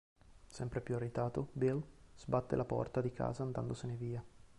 Sempre più irritato, Bill sbatte la porta di casa andandosene via.